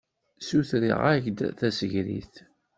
Ssutreɣ-ak-d tasegrit.